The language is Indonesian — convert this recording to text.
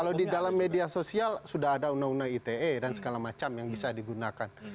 jadi dalam media sosial sudah ada undang undang ite dan segala macam yang bisa digunakan